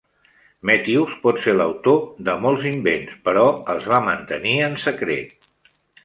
Metius pot ser l'autor de molts invents però els va mantenir en secret.